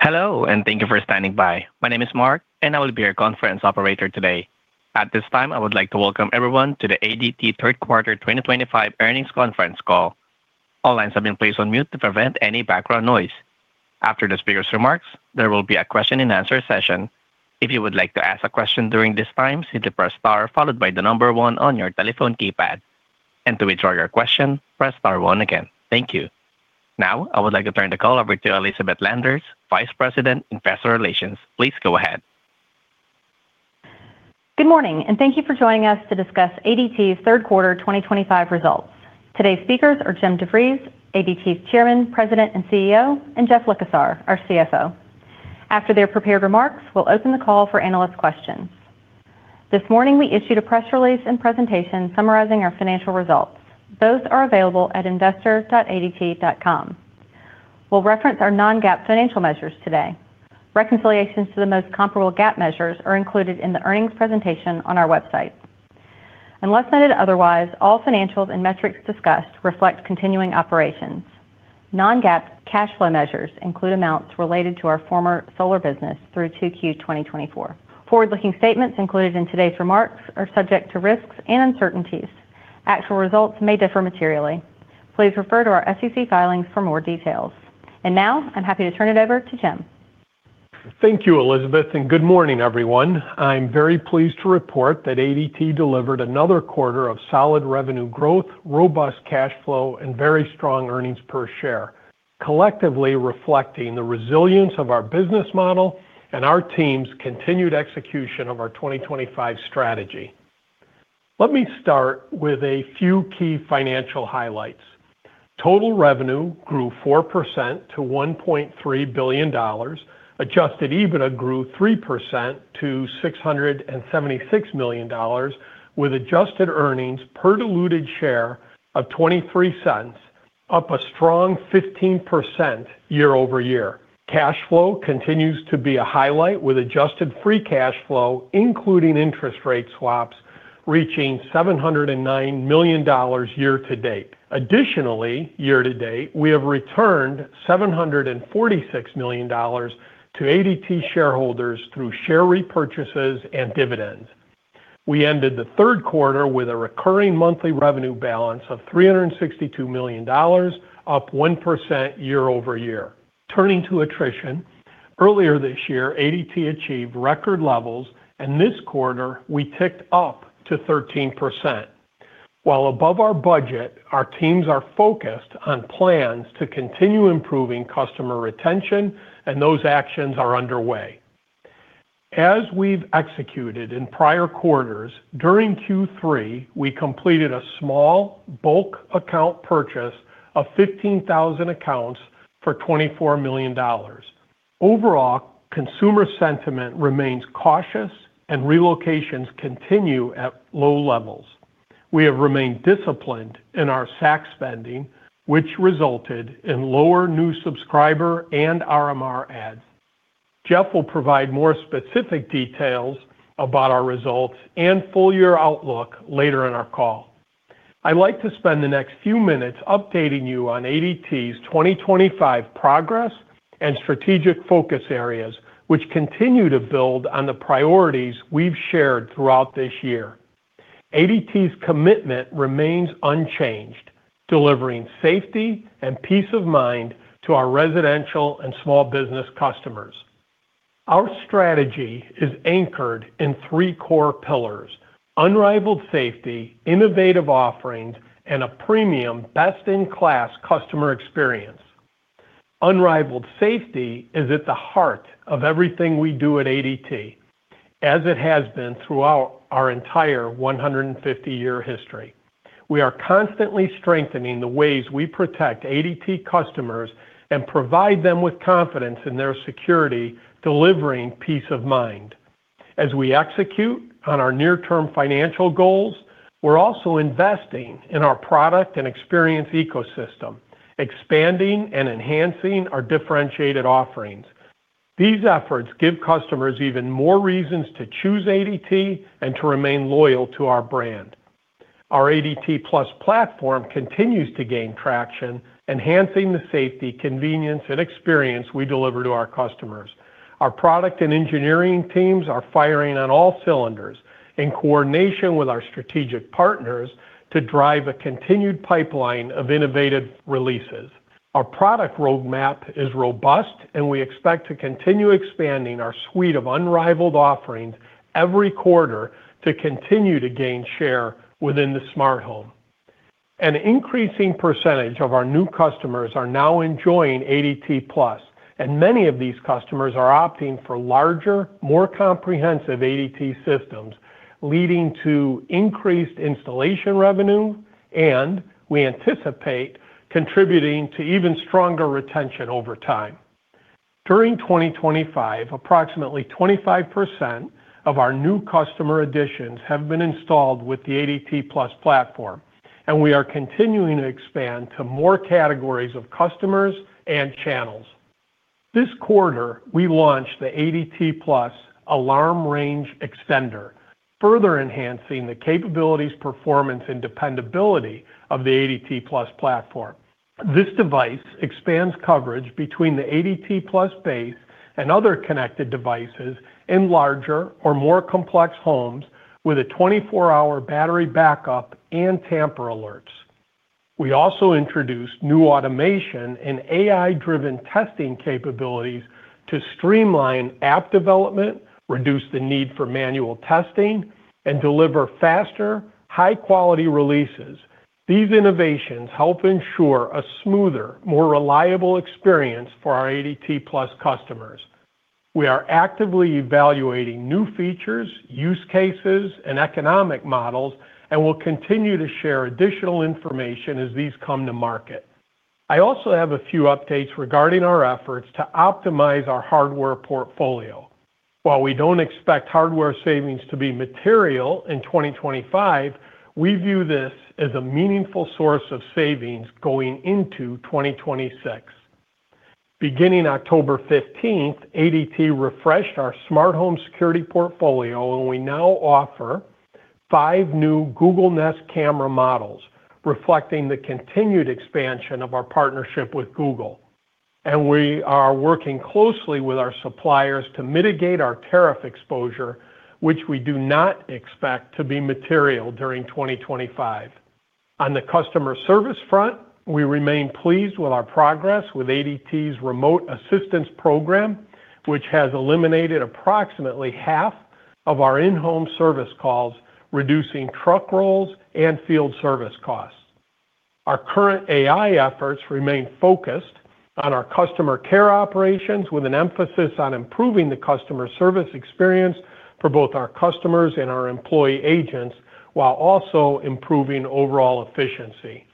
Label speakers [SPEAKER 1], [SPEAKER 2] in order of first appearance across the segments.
[SPEAKER 1] Hello, and thank you for standing by. My name is Mark, and I will be your conference operator today. At this time, I would like to welcome everyone to the ADT Third Quarter 2025 earnings conference call. All lines have been placed on mute to prevent any background noise. After the speaker's remarks, there will be a question-and-answer session. If you would like to ask a question during this time, simply press star followed by the number one on your telephone keypad. And to withdraw your question, press star one again. Thank you. Now, I would like to turn the call over to Elizabeth Landers, Vice President, Investor Relations. Please go ahead.
[SPEAKER 2] Good morning, and thank you for joining us to discuss ADT's third quarter 2025 results. Today's speakers are Jim DeVries, ADT's Chairman, President, and CEO, and Jeff Likosar, our CFO. After their prepared remarks, we'll open the call for analyst questions. This morning, we issued a press release and presentation summarizing our financial results. Both are available at investor.adt.com. We'll reference our non-GAAP financial measures today. Reconciliations to the most comparable GAAP measures are included in the earnings presentation on our website. Unless noted otherwise, all financials and metrics discussed reflect continuing operations. Non-GAAP cash flow measures include amounts related to our former solar business through 2Q 2024. Forward-looking statements included in today's remarks are subject to risks and uncertainties. Actual results may differ materially. Please refer to our SEC filings for more details, and now I'm happy to turn it over to Jim.
[SPEAKER 3] Thank you, Elizabeth, and good morning, everyone. I'm very pleased to report that ADT delivered another quarter of solid revenue growth, robust cash flow, and very strong earnings per share, collectively reflecting the resilience of our business model and our team's continued execution of our 2025 strategy. Let me start with a few key financial highlights. Total revenue grew 4% to $1.3 billion. Adjusted EBITDA grew 3% to $676 million, with adjusted earnings per diluted share of $0.23, up a strong 15% year-over-year. Cash flow continues to be a highlight, with Adjusted Free Cash Flow, including interest rate swaps, reaching $709 million year-to-date. Additionally, year-to-date, we have returned $746 million to ADT shareholders through share repurchases and dividends. We ended the third quarter with a recurring monthly revenue balance of $362 million, up 1% year-over-year. Turning to attrition, earlier this year, ADT achieved record levels, and this quarter, we ticked up to 13%. While above our budget, our teams are focused on plans to continue improving customer retention, and those actions are underway. As we've executed in prior quarters, during Q3, we completed a small bulk account purchase of 15,000 accounts for $24 million. Overall, consumer sentiment remains cautious, and relocations continue at low levels. We have remained disciplined in our SAC spending, which resulted in lower new subscriber and RMR adds. Jeff will provide more specific details about our results and full-year outlook later in our call. I'd like to spend the next few minutes updating you on ADT's 2025 progress and strategic focus areas, which continue to build on the priorities we've shared throughout this year. ADT's commitment remains unchanged, delivering safety and peace of mind to our residential and small business customers. Our strategy is anchored in three core pillars: unrivaled safety, innovative offerings, and a premium, best-in-class customer experience. Unrivaled safety is at the heart of everything we do at ADT, as it has been throughout our entire 150-year history. We are constantly strengthening the ways we protect ADT customers and provide them with confidence in their security, delivering peace of mind. As we execute on our near-term financial goals, we're also investing in our product and experience ecosystem, expanding and enhancing our differentiated offerings. These efforts give customers even more reasons to choose ADT and to remain loyal to our brand. Our ADT+ platform continues to gain traction, enhancing the safety, convenience, and experience we deliver to our customers. Our product and engineering teams are firing on all cylinders in coordination with our strategic partners to drive a continued pipeline of innovative releases. Our product roadmap is robust, and we expect to continue expanding our suite of unrivaled offerings every quarter to continue to gain share within the smart home. An increasing percentage of our new customers are now enjoying ADT+, and many of these customers are opting for larger, more comprehensive ADT systems, leading to increased installation revenue, and we anticipate contributing to even stronger retention over time. During 2025, approximately 25% of our new customer additions have been installed with the ADT+ platform, and we are continuing to expand to more categories of customers and channels. This quarter, we launched the ADT+ Alarm Range Extender, further enhancing the capabilities, performance, and dependability of the ADT+ platform. This device expands coverage between the ADT+ base and other connected devices in larger or more complex homes with a 24-hour battery backup and tamper alerts. We also introduced new automation and AI-driven testing capabilities to streamline app development, reduce the need for manual testing, and deliver faster, high-quality releases. These innovations help ensure a smoother, more reliable experience for our ADT+ customers. We are actively evaluating new features, use cases, and economic models, and will continue to share additional information as these come to market. I also have a few updates regarding our efforts to optimize our hardware portfolio. While we don't expect hardware savings to be material in 2025, we view this as a meaningful source of savings going into 2026. Beginning October 15th, ADT refreshed our smart home security portfolio, and we now offer five new Google Nest camera models, reflecting the continued expansion of our partnership with Google, and we are working closely with our suppliers to mitigate our tariff exposure, which we do not expect to be material during 2025. On the customer service front, we remain pleased with our progress with ADT's remote assistance program, which has eliminated approximately half of our in-home service calls, reducing truck rolls and field service costs. Our current AI efforts remain focused on our customer care operations, with an emphasis on improving the customer service experience for both our customers and our employee agents, while also improving overall efficiency.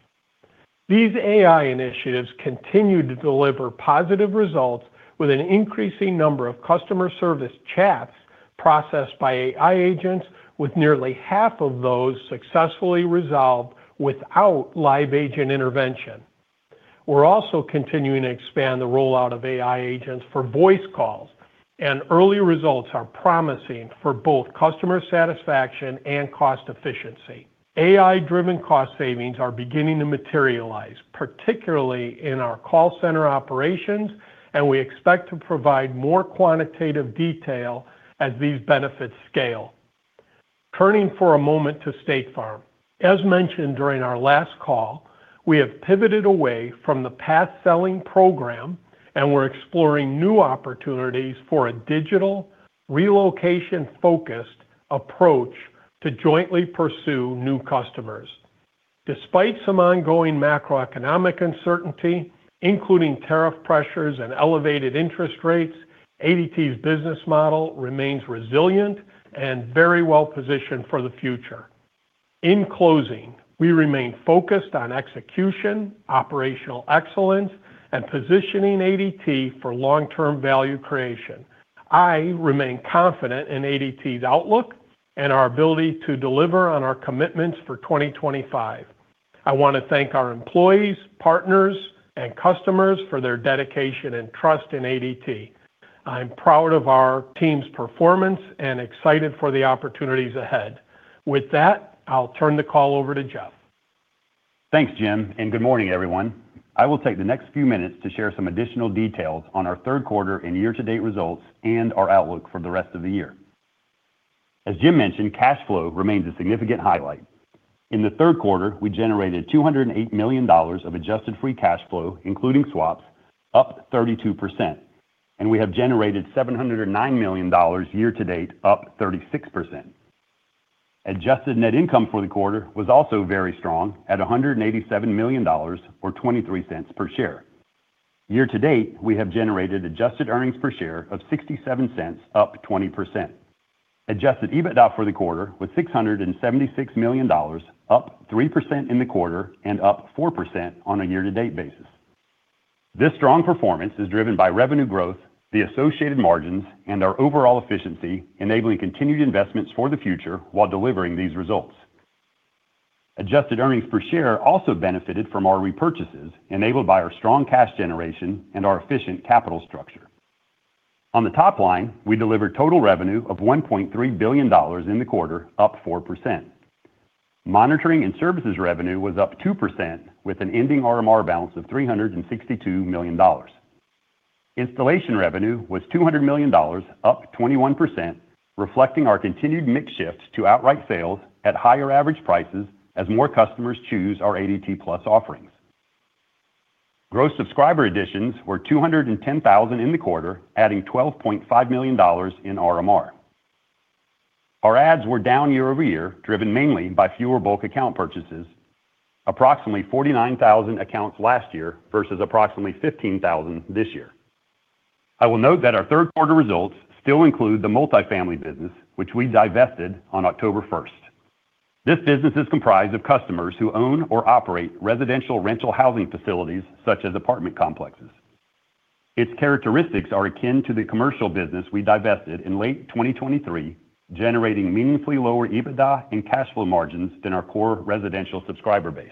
[SPEAKER 3] These AI initiatives continue to deliver positive results, with an increasing number of customer service chats processed by AI agents, with nearly half of those successfully resolved without live agent intervention. We're also continuing to expand the rollout of AI agents for voice calls, and early results are promising for both customer satisfaction and cost efficiency. AI-driven cost savings are beginning to materialize, particularly in our call center operations, and we expect to provide more quantitative detail as these benefits scale. Turning for a moment to State Farm. As mentioned during our last call, we have pivoted away from the past selling program, and we're exploring new opportunities for a digital, relocation-focused approach to jointly pursue new customers. Despite some ongoing macroeconomic uncertainty, including tariff pressures and elevated interest rates, ADT's business model remains resilient and very well positioned for the future. In closing, we remain focused on execution, operational excellence, and positioning ADT for long-term value creation. I remain confident in ADT's outlook and our ability to deliver on our commitments for 2025. I want to thank our employees, partners, and customers for their dedication and trust in ADT. I'm proud of our team's performance and excited for the opportunities ahead. With that, I'll turn the call over to Jeff.
[SPEAKER 4] Thanks, Jim, and good morning, everyone. I will take the next few minutes to share some additional details on our third quarter and year-to-date results and our outlook for the rest of the year. As Jim mentioned, cash flow remains a significant highlight. In the third quarter, we generated $208 million of Adjusted Free Cash Flow, including swaps, up 32%, and we have generated $709 million year-to-date, up 36%. Adjusted net income for the quarter was also very strong at $187 million or $0.23 per share. Year-to-date, we have generated adjusted earnings per share of $0.67, up 20%. Adjusted EBITDA for the quarter was $676 million, up 3% in the quarter and up 4% on a year-to-date basis. This strong performance is driven by revenue growth, the associated margins, and our overall efficiency, enabling continued investments for the future while delivering these results. Adjusted earnings per share also benefited from our repurchases enabled by our strong cash generation and our efficient capital structure. On the top line, we delivered total revenue of $1.3 billion in the quarter, up 4%. Monitoring and services revenue was up 2%, with an ending RMR balance of $362 million. Installation revenue was $200 million, up 21%, reflecting our continued mix shift to outright sales at higher average prices as more customers choose our ADT+ offerings. Gross subscriber additions were 210,000 in the quarter, adding $12.5 million in RMR. Our adds were down year-over-year, driven mainly by fewer bulk account purchases, approximately 49,000 accounts last year versus approximately 15,000 this year. I will note that our third quarter results still include the multifamily business, which we divested on October 1st. This business is comprised of customers who own or operate residential rental housing facilities such as apartment complexes. Its characteristics are akin to the commercial business we divested in late 2023, generating meaningfully lower EBITDA and cash flow margins than our core residential subscriber base.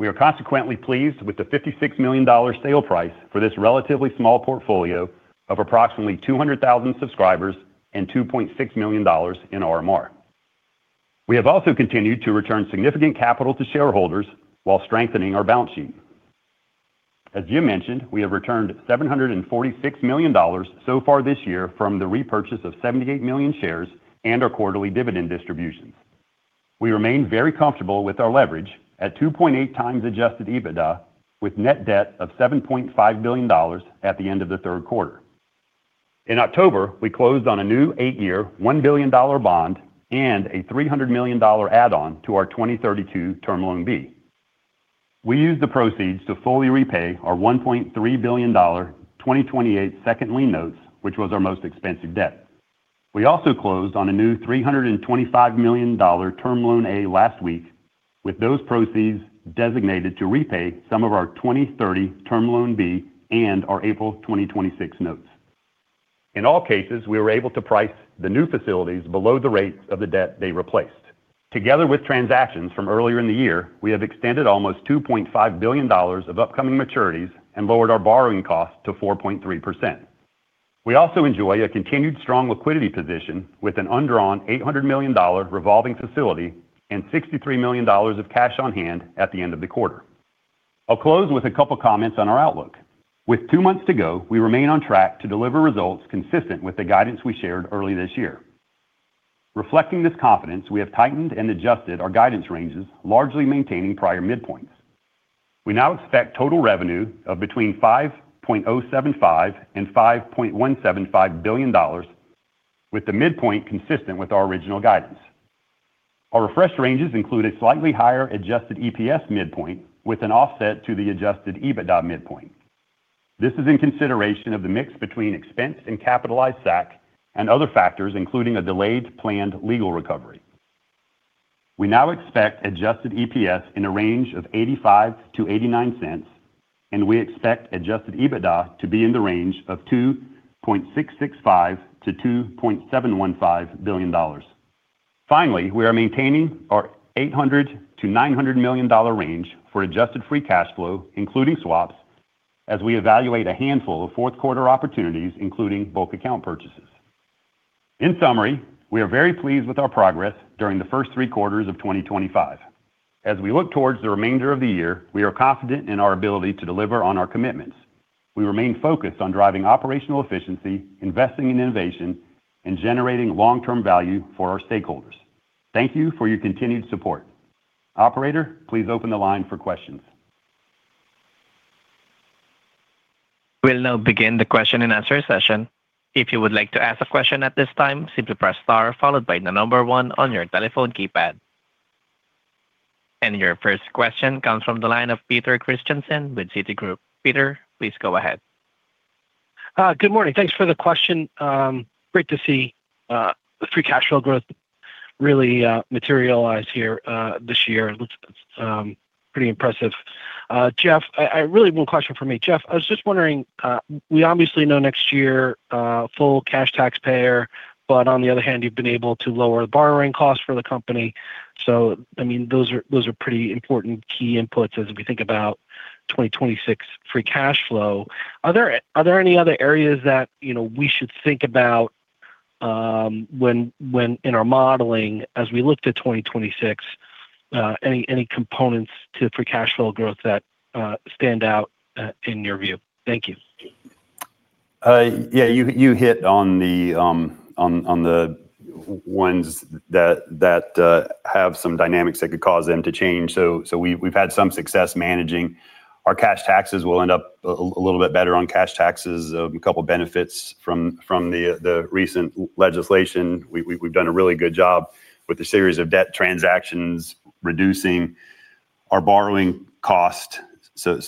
[SPEAKER 4] We are consequently pleased with the $56 million sale price for this relatively small portfolio of approximately 200,000 subscribers and $2.6 million in RMR. We have also continued to return significant capital to shareholders while strengthening our balance sheet. As Jim mentioned, we have returned $746 million so far this year from the repurchase of 78 million shares and our quarterly dividend distributions. We remain very comfortable with our leverage at 2.8x adjusted EBITDA, with net debt of $7.5 billion at the end of the third quarter. In October, we closed on a new eight-year $1 billion bond and a $300 million add-on to our 2032 term loan B. We used the proceeds to fully repay our $1.3 billion 2028 second lien notes, which was our most expensive debt. We also closed on a new $325 million term loan A last week, with those proceeds designated to repay some of our 2030 term loan B and our April 2026 notes. In all cases, we were able to price the new facilities below the rates of the debt they replaced. Together with transactions from earlier in the year, we have extended almost $2.5 billion of upcoming maturities and lowered our borrowing cost to 4.3%. We also enjoy a continued strong liquidity position with an undrawn $800 million revolving facility and $63 million of cash on hand at the end of the quarter. I'll close with a couple of comments on our outlook. With two months to go, we remain on track to deliver results consistent with the guidance we shared early this year. Reflecting this confidence, we have tightened and adjusted our guidance ranges, largely maintaining prior midpoints. We now expect total revenue of between $5.075 billion and $5.175 billion. With the midpoint consistent with our original guidance. Our refresh ranges include a slightly higher Adjusted EPS midpoint with an offset to the Adjusted EBITDA midpoint. This is in consideration of the mix between expense and capitalized SAC and other factors, including a delayed planned legal recovery. We now expect Adjusted EPS in a range of $0.85-$0.89, and we expect Adjusted EBITDA to be in the range of $2.665 billion-$2.715 billion. Finally, we are maintaining our $800 million-$900 million range for Adjusted Free Cash Flow, including swaps, as we evaluate a handful of fourth quarter opportunities, including bulk account purchases. In summary, we are very pleased with our progress during the first three quarters of 2025. As we look towards the remainder of the year, we are confident in our ability to deliver on our commitments. We remain focused on driving operational efficiency, investing in innovation, and generating long-term value for our stakeholders. Thank you for your continued support. Operator, please open the line for questions.
[SPEAKER 1] We'll now begin the question and answer session. If you would like to ask a question at this time, simply press star followed by the number one on your telephone keypad. And your first question comes from the line of Peter Christiansen with Citigroup. Peter, please go ahead.
[SPEAKER 5] Good morning. Thanks for the question. Great to see free cash flow growth really materialized here this year. It looks pretty impressive. Jeff, I really have one question for me. I was just wondering, we obviously know next year full cash taxpayer, but on the other hand, you've been able to lower the borrowing cost for the company. So, I mean, those are pretty important key inputs as we think about 2026 free cash flow. Are there any other areas that we should think about when in our modeling as we look to 2026? Any components to free cash flow growth that stand out in your view? Thank you.
[SPEAKER 4] Yeah, you hit on the ones that have some dynamics that could cause them to change. So we've had some success managing our cash taxes. We'll end up a little bit better on cash taxes. A couple of benefits from the recent legislation. We've done a really good job with a series of debt transactions, reducing our borrowing cost.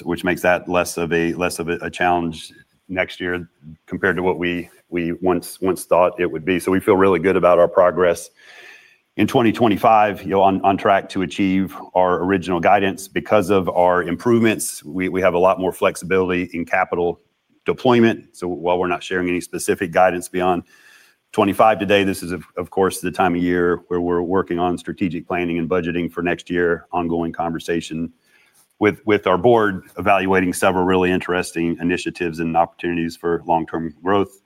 [SPEAKER 4] Which makes that less of a challenge next year compared to what we once thought it would be. So we feel really good about our progress. In 2025, you're on track to achieve our original guidance. Because of our improvements, we have a lot more flexibility in capital deployment. So while we're not sharing any specific guidance beyond 2025 today, this is, of course, the time of year where we're working on strategic planning and budgeting for next year, ongoing conversation with our board, evaluating several really interesting initiatives and opportunities for long-term growth.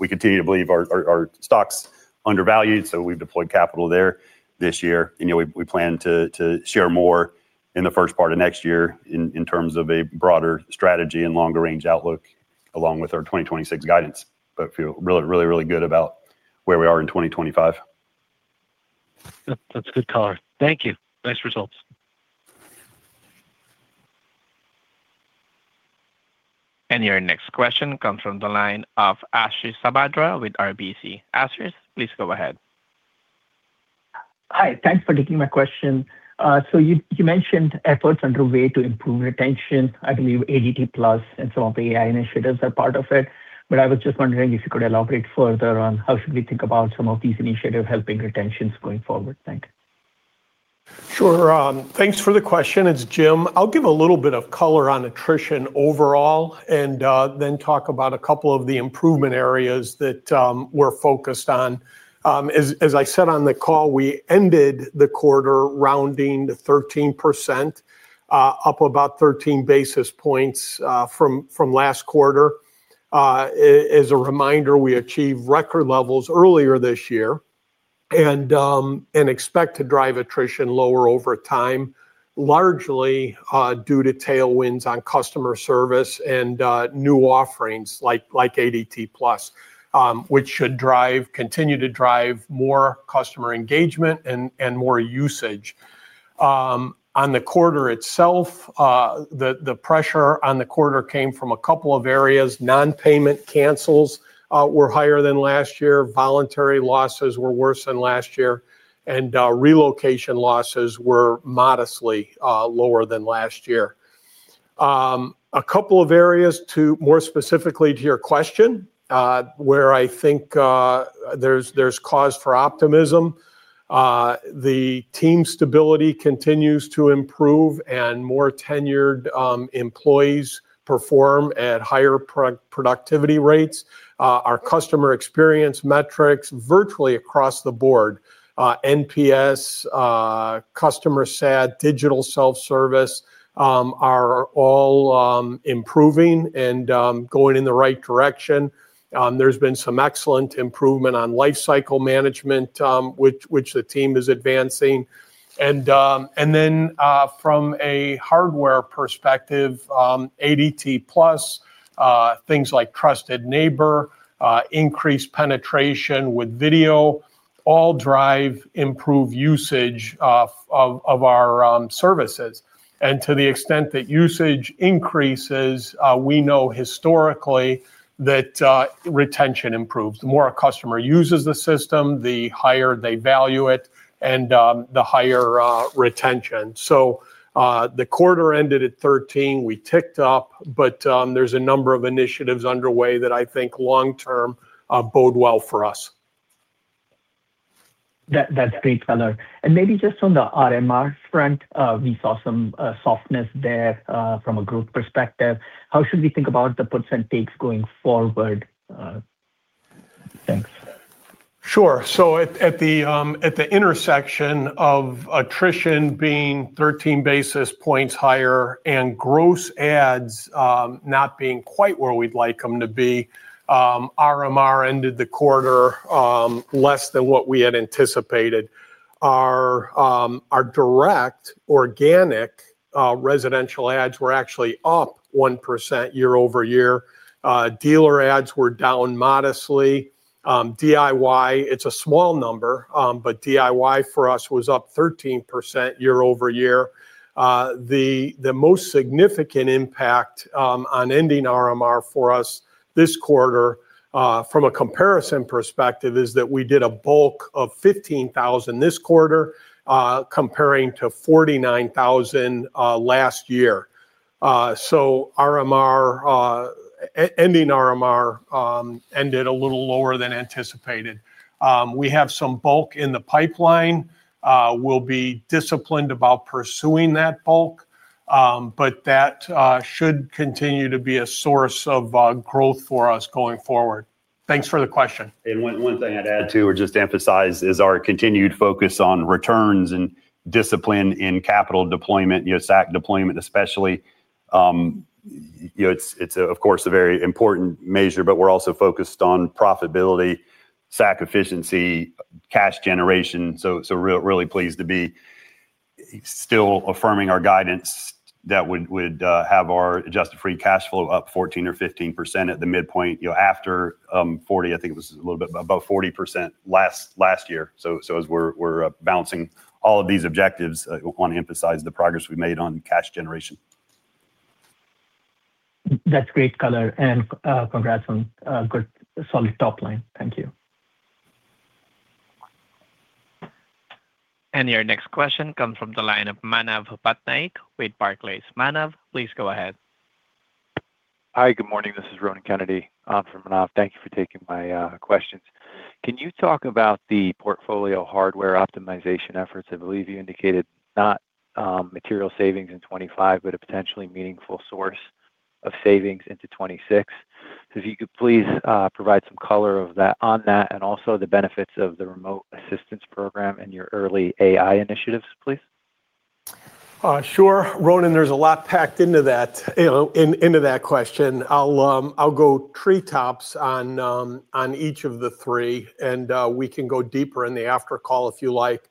[SPEAKER 4] We continue to believe our stock's undervalued, so we've deployed capital there this year. We plan to share more in the first part of next year in terms of a broader strategy and longer-range outlook along with our 2026 guidance. But feel really, really good about where we are in 2025.
[SPEAKER 5] That's good, color. Thank you. Nice results.
[SPEAKER 1] And your next question comes from the line of Ashish Sabadra with RBC. Ashish, please go ahead.
[SPEAKER 6] Hi, thanks for taking my question. So you mentioned efforts underway to improve retention. I believe ADT+ and some of the AI initiatives are part of it. But I was just wondering if you could elaborate further on how should we think about some of these initiatives helping retentions going forward? Thanks.
[SPEAKER 3] Sure. Thanks for the question. It's Jim. I'll give a little bit of color on attrition overall and then talk about a couple of the improvement areas that we're focused on. As I said on the call, we ended the quarter rounding to 13%. Up about 13 basis points from last quarter. As a reminder, we achieved record levels earlier this year and expect to drive attrition lower over time, largely due to tailwinds on customer service and new offerings like ADT+, which should continue to drive more customer engagement and more usage. On the quarter itself, the pressure on the quarter came from a couple of areas. Non-payment cancels were higher than last year. Voluntary losses were worse than last year. And relocation losses were modestly lower than last year. A couple of areas more specifically to your question, where I think there's cause for optimism. The team stability continues to improve and more tenured employees perform at higher productivity rates. Our customer experience metrics, virtually across the board, NPS, customer sat, digital self-service, are all improving and going in the right direction. There's been some excellent improvement on lifecycle management, which the team is advancing, and then from a hardware perspective, ADT+, things like Trusted Neighbor, increased penetration with video, all drive improved usage of our services. And to the extent that usage increases, we know historically that retention improves. The more a customer uses the system, the higher they value it, and the higher retention. So the quarter ended at 13%. We ticked up, but there's a number of initiatives underway that I think long-term bode well for us.
[SPEAKER 6] That's great, color. And maybe just on the RMR front, we saw some softness there from a growth perspective. How should we think about the percent takes going forward? Thanks.
[SPEAKER 3] Sure. So at the intersection of attrition being 13 basis points higher and gross adds not being quite where we'd like them to be, RMR ended the quarter less than what we had anticipated. Our direct organic residential adds were actually up 1% year over year. Dealer adds were down modestly. DIY, it's a small number, but DIY for us was up 13% year over year. The most significant impact on ending RMR for us this quarter from a comparison perspective is that we did a bulk of 15,000 this quarter. Comparing to 49,000 last year. So ending RMR ended a little lower than anticipated. We have some bulk in the pipeline. We'll be disciplined about pursuing that bulk, but that should continue to be a source of growth for us going forward. Thanks for the question.
[SPEAKER 4] And one thing I'd add to or just emphasize is our continued focus on returns and discipline in capital deployment, SAC deployment especially. It's, of course, a very important measure, but we're also focused on profitability, SAC efficiency, cash generation. So, really pleased to be still affirming our guidance that would have our Adjusted Free Cash Flow up 14%-15% at the midpoint. After 40%, I think it was a little bit about 40% last year. So as we're balancing all of these objectives, I want to emphasize the progress we made on cash generation.
[SPEAKER 6] That's great, color. And congrats on good solid top line. Thank you.
[SPEAKER 1] Your next question comes from the line of Manav Bhatia with Barclays. Manav, please go ahead.
[SPEAKER 7] Hi, good morning. This is Ronan Kennedy from Barclays. Thank you for taking my questions. Can you talk about the portfolio hardware optimization efforts? I believe you indicated not material savings in 2025, but a potentially meaningful source of savings into 2026. So if you could please provide some color on that and also the benefits of the remote assistance program and your early AI initiatives, please.
[SPEAKER 3] Sure. Ronan, there's a lot packed into that. Into that question. I'll go treetops on each of the three, and we can go deeper in the after call if you like.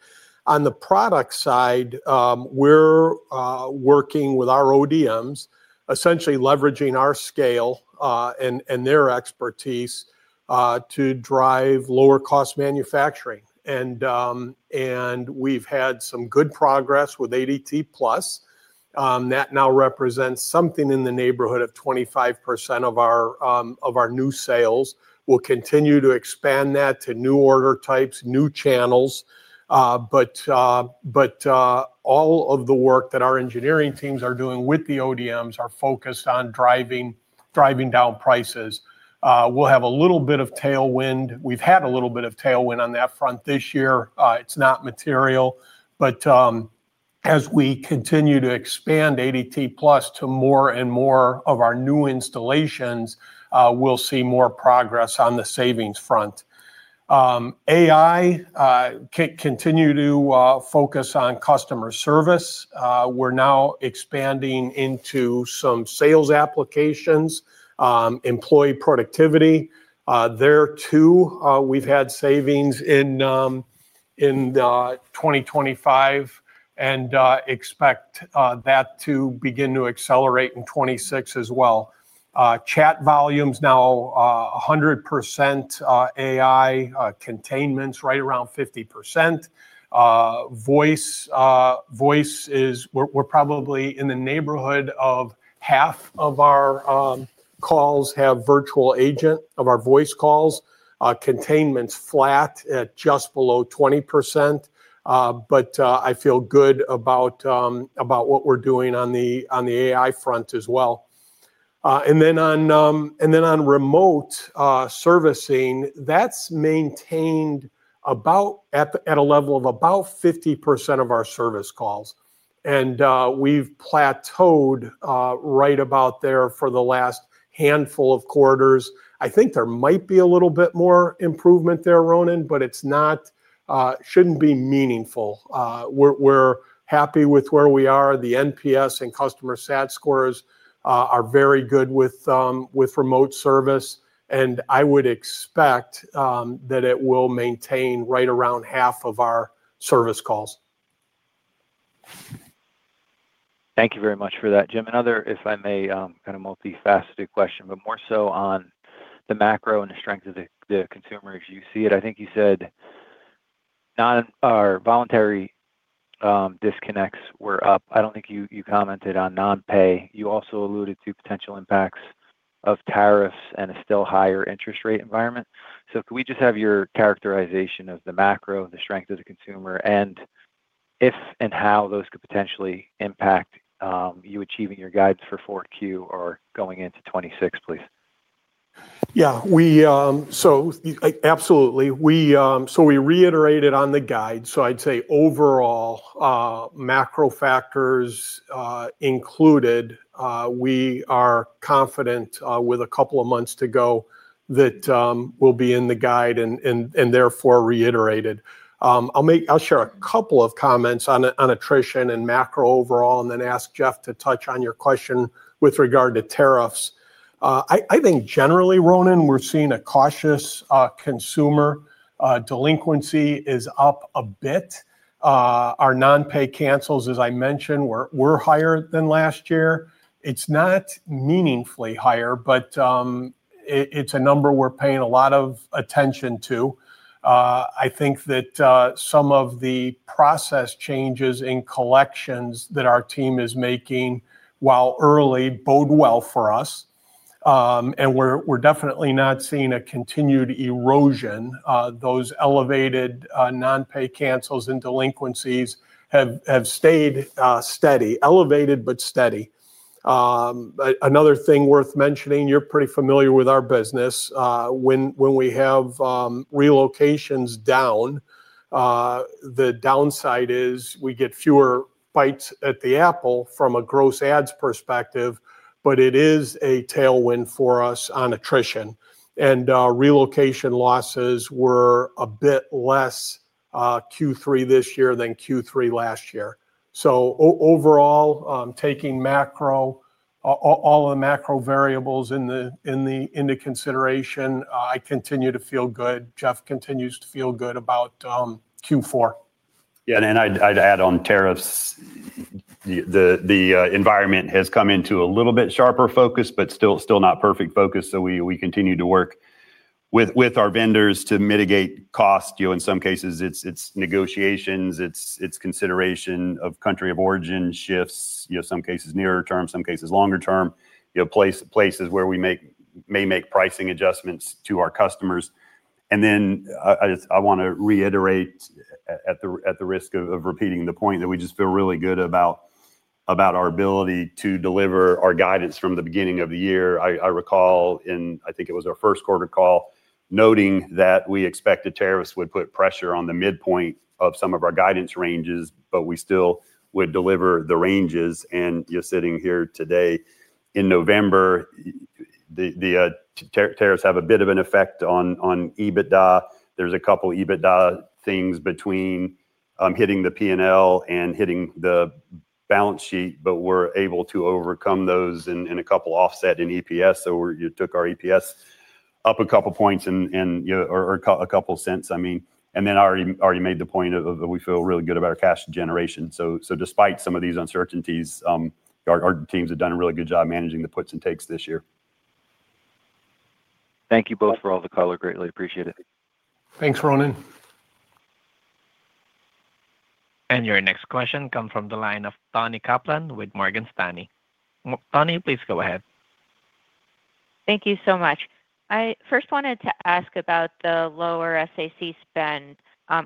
[SPEAKER 3] On the product side, we're working with our ODMs, essentially leveraging our scale and their expertise to drive lower cost manufacturing. And we've had some good progress with ADT+. That now represents something in the neighborhood of 25% of our new sales. We'll continue to expand that to new order types, new channels. But all of the work that our engineering teams are doing with the ODMs are focused on driving down prices. We'll have a little bit of tailwind. We've had a little bit of tailwind on that front this year. It's not material. But as we continue to expand ADT+ to more and more of our new installations, we'll see more progress on the savings front. AI continue to focus on customer service. We're now expanding into some sales applications. Employee productivity. There too, we've had savings in 2025. And expect that to begin to accelerate in 2026 as well. Chat volumes now 100%. AI containments right around 50%. Voice. We're probably in the neighborhood of half of our voice calls have virtual agent. Containments flat at just below 20%. But I feel good about what we're doing on the AI front as well. And then on remote servicing, that's maintained at a level of about 50% of our service calls. And we've plateaued right about there for the last handful of quarters. I think there might be a little bit more improvement there, Ronan, but it shouldn't be meaningful. We're happy with where we are. The NPS and customer SAT scores are very good with remote service. And I would expect that it will maintain right around half of our service calls.
[SPEAKER 7] Thank you very much for that, Jim. Another, if I may, kind of multifaceted question, but more so on the macro and the strength of the consumers. You see it. I think you said voluntary disconnects were up. I don't think you commented on non-pay. You also alluded to potential impacts of tariffs and a still higher interest rate environment. So can we just have your characterization of the macro, the strength of the consumer, and if and how those could potentially impact you achieving your guides for Q4 or going into 2026, please?
[SPEAKER 3] Yeah. So absolutely. So we reiterated on the guide. So I'd say overall. Macro factors. Included, we are confident with a couple of months to go that we'll be in the guide and therefore reiterated. I'll share a couple of comments on attrition and macro overall, and then ask Jeff to touch on your question with regard to tariffs. I think generally, Ronan, we're seeing a cautious consumer. Delinquency is up a bit. Our non-pay cancels, as I mentioned, were higher than last year. It's not meaningfully higher, but. It's a number we're paying a lot of attention to. I think that some of the process changes in collections that our team is making while early bode well for us. And we're definitely not seeing a continued erosion. Those elevated non-pay cancels and delinquencies have stayed steady, elevated, but steady. Another thing worth mentioning, you're pretty familiar with our business. When we have. Relocations down. The downside is we get fewer bites at the apple from a gross adds perspective, but it is a tailwind for us on attrition. And relocation losses were a bit less. Q3 this year than Q3 last year. So overall, taking all. Of the macro variables into. Consideration, I continue to feel good. Jeff continues to feel good about. Q4.
[SPEAKER 4] Yeah, and I'd add on tariffs. The environment has come into a little bit sharper focus, but still not perfect focus. So we continue to work with our vendors to mitigate costs. In some cases, it's negotiations. It's consideration of country of origin shifts, some cases nearer term, some cases longer term, places where we may make pricing adjustments to our customers. And then, I want to reiterate at the risk of repeating the point that we just feel really good about our ability to deliver our guidance from the beginning of the year. I recall in, I think it was our first quarter call, noting that we expected tariffs would put pressure on the midpoint of some of our guidance ranges, but we still would deliver the ranges. And, sitting here today in November, the tariffs have a bit of an effect on EBITDA. There's a couple of EBITDA things between hitting the P&L and hitting the balance sheet, but we're able to overcome those and a couple offset in EPS. So we took our EPS up a couple points or a couple cents. I mean, and then I already made the point of we feel really good about our cash generation. So despite some of these uncertainties, our teams have done a really good job managing the puts and takes this year.
[SPEAKER 7] Thank you both for all the color. Greatly appreciate it.
[SPEAKER 3] Thanks, Ronan.
[SPEAKER 1] Your next question comes from the line of Tony Copeland with Morgan Stanley. Tony, please go ahead.
[SPEAKER 8] Thank you so much. I first wanted to ask about the lower SAC spend.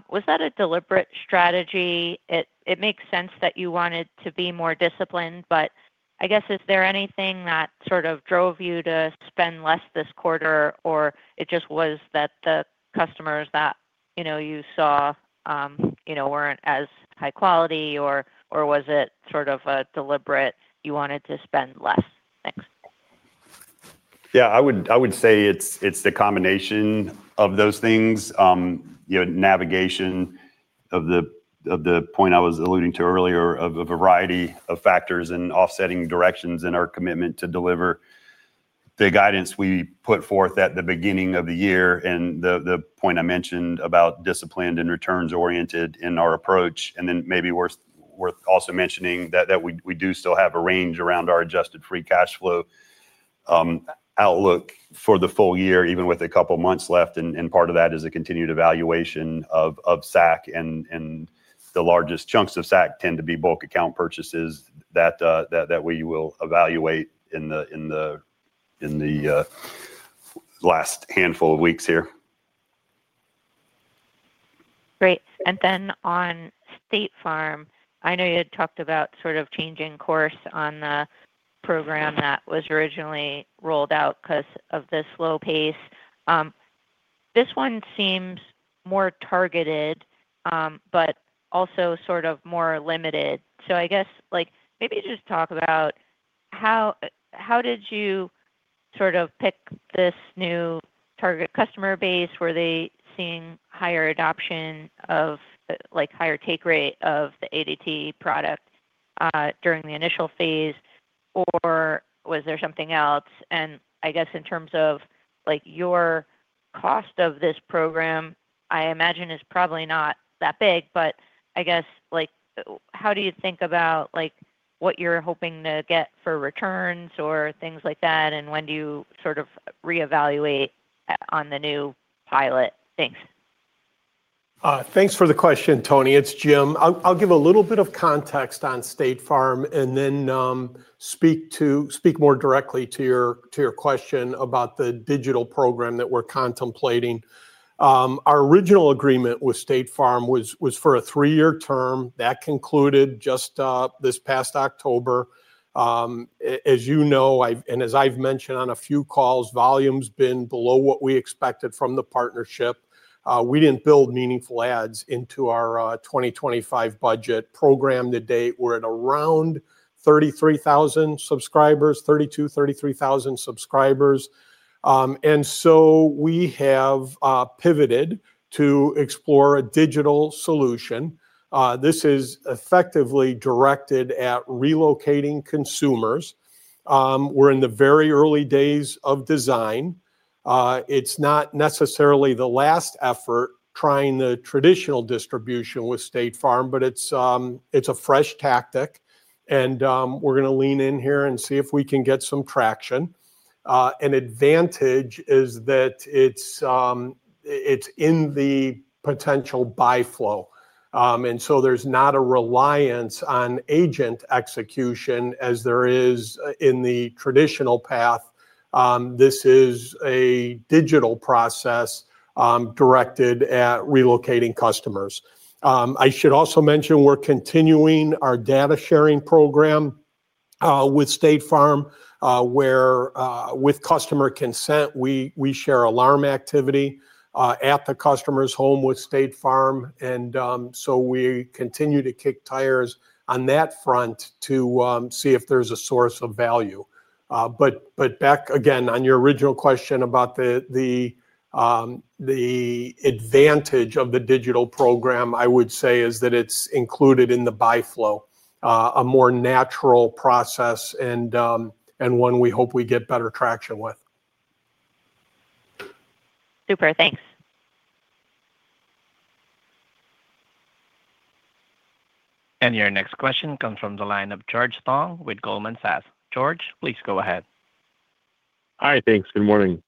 [SPEAKER 8] Was that a deliberate strategy? It makes sense that you wanted to be more disciplined, but I guess, is there anything that sort of drove you to spend less this quarter, or it just was that the customers that you saw weren't as high quality, or was it sort of a deliberate you wanted to spend less? Thanks.
[SPEAKER 4] Yeah. I would say it's the combination of those things. Navigation of the point I was alluding to earlier of a variety of factors and offsetting directions in our commitment to deliver the guidance we put forth at the beginning of the year and the point I mentioned about disciplined and returns-oriented in our approach. And then maybe worth also mentioning that we do still have a range around our Adjusted Free Cash Flow outlook for the full year, even with a couple of months left. And part of that is a continued evaluation of SAC, and the largest chunks of SAC tend to be bulk account purchases that we will evaluate in the last handful of weeks here.
[SPEAKER 8] Great. And then on State Farm, I know you had talked about sort of changing course on the program that was originally rolled out because of this slow pace. This one seems more targeted, but also sort of more limited. So I guess maybe just talk about how did you sort of pick this new target customer base? Were they seeing higher adoption of higher take rate of the ADT product during the initial phase, or was there something else? And I guess in terms of your cost of this program, I imagine is probably not that big, but I guess how do you think about what you're hoping to get for returns or things like that? And when do you sort of reevaluate on the new pilot things?
[SPEAKER 3] Thanks for the question, Tony. It's Jim. I'll give a little bit of context on State Farm and then speak more directly to your question about the digital program that we're contemplating. Our original agreement with State Farm was for a three-year term. That concluded just this past October. As you know, and as I've mentioned on a few calls, volume's been below what we expected from the partnership. We didn't build meaningful adds into our 2025 budget. Program to date, we're at around 33,000 subscribers, 32,000, 33,000 subscribers. And so we have pivoted to explore a digital solution. This is effectively directed at relocating consumers. We're in the very early days of design. It's not necessarily the last effort trying the traditional distribution with State Farm, but it's a fresh tactic. And we're going to lean in here and see if we can get some traction. An advantage is that it's in the potential buy flow. And so there's not a reliance on agent execution as there is in the traditional path. This is a digital process directed at relocating customers. I should also mention we're continuing our data sharing program with State Farm, where with customer consent, we share alarm activity at the customer's home with State Farm. And so we continue to kick tires on that front to see if there's a source of value. But back again on your original question about the advantage of the digital program, I would say is that it's included in the buy flow, a more natural process and one we hope we get better traction with.
[SPEAKER 8] Super. Thanks.
[SPEAKER 1] And your next question comes from the line of George Tong with Goldman Sachs. George, please go ahead.
[SPEAKER 9] Hi. Thanks. Good morning.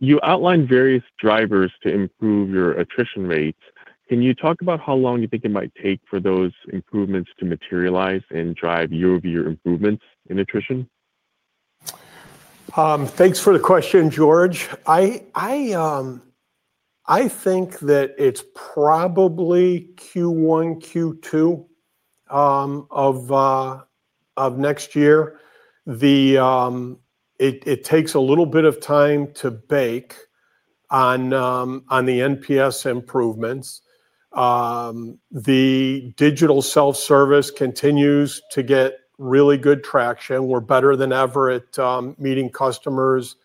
[SPEAKER 9] You outlined various drivers to improve your attrition rates. Can you talk about how long you think it might take for those improvements to materialize and drive your improvements in attrition?
[SPEAKER 3] Thanks for the question, George. I think that it's probably Q1, Q2 of next year. It takes a little bit of time to bake in the NPS improvements. The digital self-service continues to get really good traction. We're better than ever at meeting customers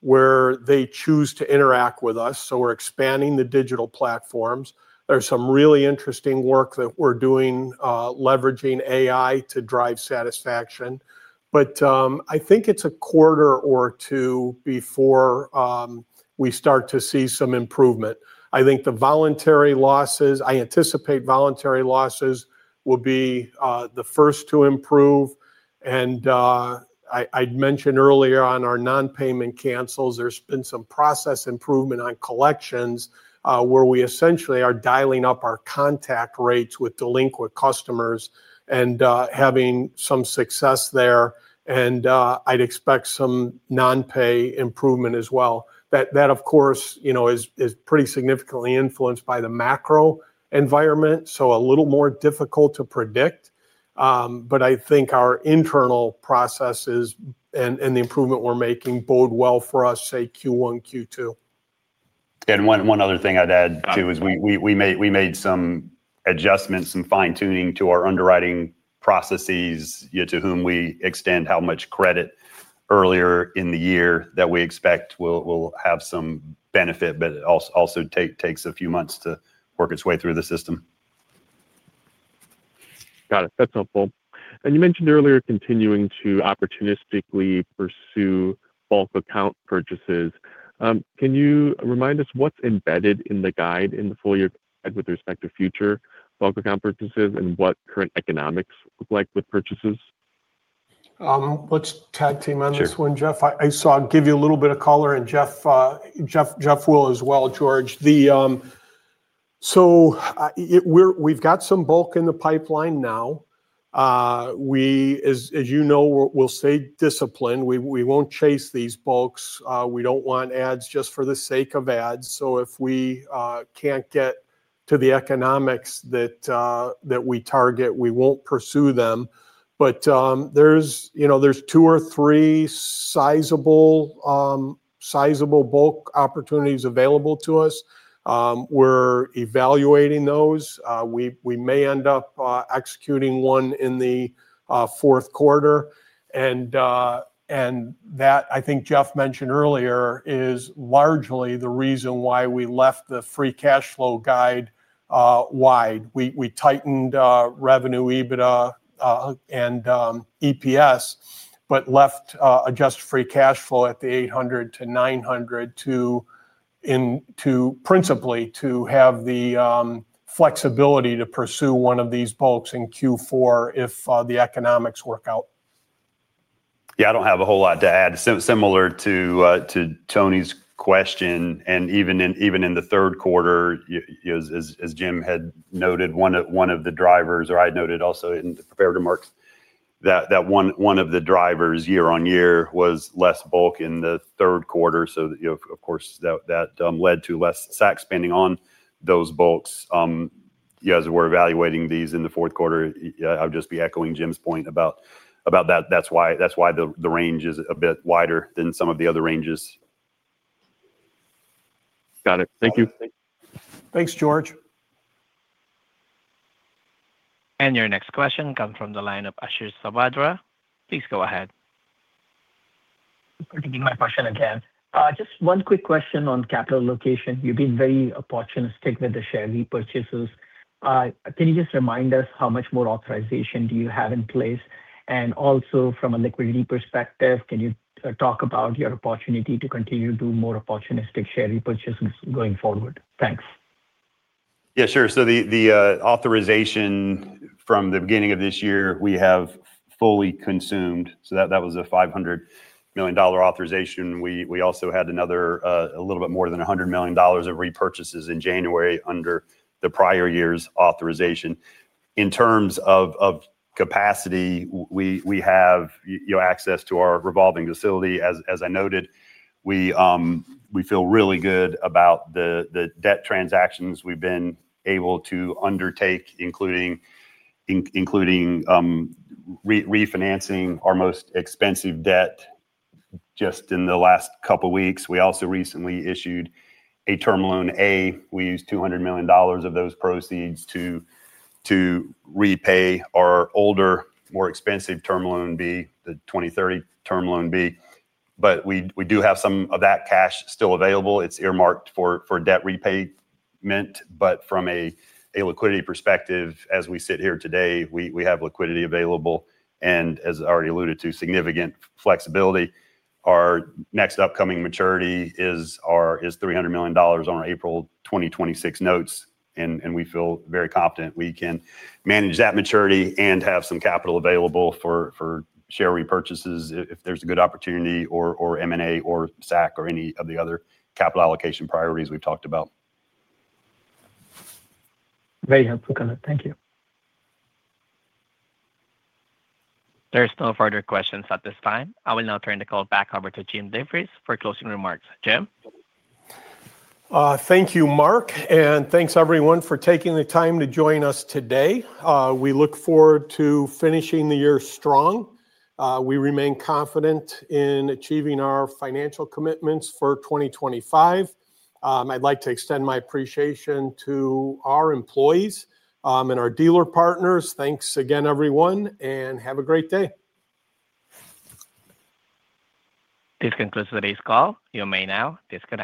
[SPEAKER 3] where they choose to interact with us. So we're expanding the digital platforms. There's some really interesting work that we're doing, leveraging AI to drive satisfaction. But I think it's a quarter or two before we start to see some improvement. I think the voluntary losses, I anticipate voluntary losses will be the first to improve. I'd mentioned earlier on our non-payment cancels, there's been some process improvement on collections where we essentially are dialing up our contact rates with delinquent customers and having some success there. I'd expect some non-pay improvement as well. That, of course, is pretty significantly influenced by the macro environment, so a little more difficult to predict. I think our internal processes and the improvement we're making bode well for us, say, Q1, Q2.
[SPEAKER 4] One other thing I'd add too is we made some adjustments, some fine-tuning to our underwriting processes to whom we extend how much credit earlier in the year that we expect will have some benefit, but it also takes a few months to work its way through the system.
[SPEAKER 9] Got it. That's helpful. And you mentioned earlier continuing to opportunistically pursue bulk account purchases. Can you remind us what's embedded in the guide in the full year with respect to future bulk account purchases and what current economics look like with purchases?
[SPEAKER 3] Let's tag team on this one, Jeff. I'll give you a little bit of color and Jeff will as well, George. So, we've got some bulk in the pipeline now. As you know, we'll stay disciplined. We won't chase these bulks. We don't want adds just for the sake of adds. So if we can't get to the economics that we target, we won't pursue them. But there's two or three sizable bulk opportunities available to us. We're evaluating those. We may end up executing one in the fourth quarter. And that, I think Jeff mentioned earlier, is largely the reason why we left the free cash flow guide wide. We tightened revenue, EBITDA, and EPS, but left Adjusted Free Cash Flow at the 800-900. Principally to have the flexibility to pursue one of these bulks in Q4 if the economics work out.
[SPEAKER 4] Yeah. I don't have a whole lot to add. Similar to Tony's question, and even in the third quarter. As Jim had noted, one of the drivers, or I had noted also in the preparatory remarks, that one of the drivers year on year was less bulk in the third quarter. So of course, that led to less SAC spending on those bulks. As we're evaluating these in the fourth quarter, I'll just be echoing Jim's point about that. That's why the range is a bit wider than some of the other ranges.
[SPEAKER 9] Got it. Thank you.
[SPEAKER 3] Thanks, George.
[SPEAKER 1] Your next question comes from the line of Ashish Sabadra. Please go ahead.
[SPEAKER 6] My question again. Just one quick question on capital allocation. You've been very opportunistic with the share repurchases. Can you just remind us how much more authorization do you have in place? And also from a liquidity perspective, can you talk about your opportunity to continue to do more opportunistic share repurchases going forward? Thanks.
[SPEAKER 4] Yeah, sure. So the authorization from the beginning of this year, we have fully consumed. So that was a $500 million authorization. We also had another a little bit more than $100 million of repurchases in January under the prior year's authorization. In terms of capacity, we have access to our revolving facility. As I noted, we feel really good about the debt transactions we've been able to undertake, including refinancing our most expensive debt just in the last couple of weeks. We also recently issued a term loan A. We used $200 million of those proceeds to repay our older, more expensive term loan B, the 2030 term loan B. But we do have some of that cash still available. It's earmarked for debt repayment, but from a liquidity perspective, as we sit here today, we have liquidity available and, as I already alluded to, significant flexibility. Our next upcoming maturity is $300 million on our April 2026 notes, and we feel very confident we can manage that maturity and have some capital available for share repurchases if there's a good opportunity or M&A or SAC or any of the other capital allocation priorities we've talked about.
[SPEAKER 6] Very helpful, color. Thank you.
[SPEAKER 1] There's no further questions at this time. I will now turn the call back over to Jim DeVries for closing remarks. Jim.
[SPEAKER 3] Thank you, Mark, and thanks everyone for taking the time to join us today. We look forward to finishing the year strong. We remain confident in achieving our financial commitments for 2025. I'd like to extend my appreciation to our employees and our dealer partners. Thanks again, everyone, and have a great day.
[SPEAKER 1] This concludes today's call. You may now disconnect.